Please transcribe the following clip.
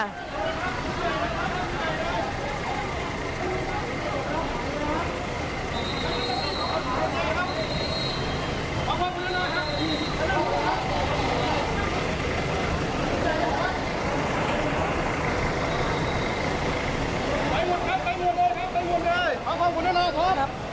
เอาความควรด้วยนะครับ